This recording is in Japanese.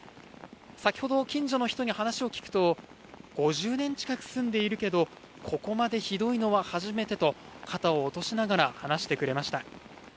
先ほど近所の方に話を聞くと５０年近く住んでいるけど、ここまでひどいのは初めてと、肩を落としながら話してくれました。